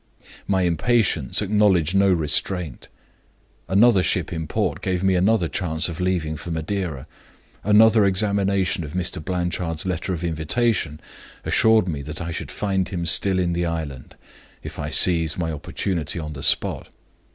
My impatience acknowledged no restraint. Another ship in port gave me another chance of leaving for Madeira. Another examination of Mr. Blanchard's letter of invitation assured me that I should find him still in the island, if I seized my opportunity on the spot.